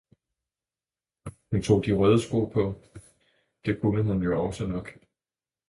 – hun tog de røde sko på, det kunne hun jo også nok.